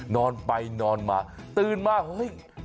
นอนไปนอนมาตื่นมาเฮ้ย